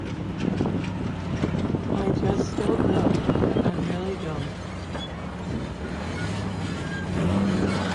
I just don't know, I really don't.